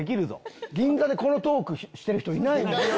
銀座でこのトークしてる人いないもん。